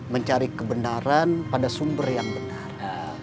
mencari kebenaran pada sumber yang benar